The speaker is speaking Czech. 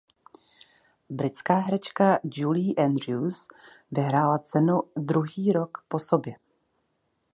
Britská herečka Julie Andrews vyhrála cenu druhý rok po sobě.